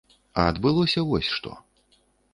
А адбылося вось што.